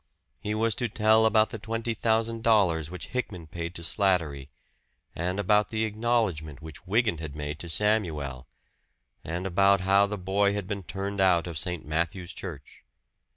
He was to tell about the twenty thousand dollars which Hickman paid to Slattery, and about the acknowledgment which Wygant had made to Samuel, and about how the boy had been turned out of St. Matthew's Church.